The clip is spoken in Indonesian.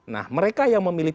nah mereka yang memilih